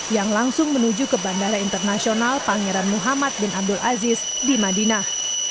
yang langsung menuju ke bandara internasional pangeran muhammad bin abdul aziz di madinah